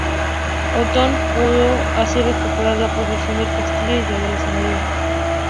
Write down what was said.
Otón pudo así recuperar la posesión del castillo y de la señoría.